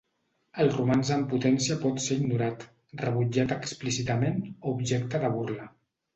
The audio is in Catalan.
El romanç en potència pot ser ignorat, rebutjat explícitament o objecte de burla.